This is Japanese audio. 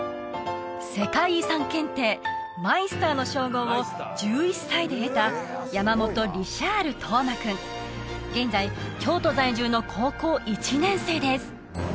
世界遺産検定マイスターの称号を１１歳で得た現在京都在住の高校１年生です